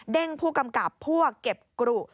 ผู้กำกับพวกเก็บกรุ